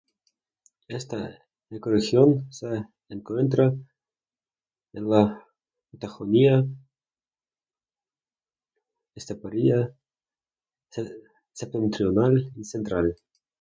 Esta ecorregión se encuentra en la Patagonia esteparia septentrional y central.